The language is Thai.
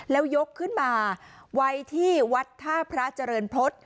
แล้วยกขึ้นมาไว้ที่วัดท่าพระเจริญพฤษ